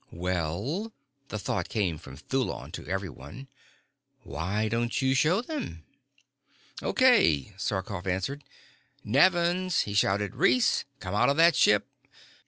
"Well," the thought came from Thulon to everyone. "Why don't you show them?" "Okay," Sarkoff answered. "Nevins!" he shouted. "Reese! Come out of that ship."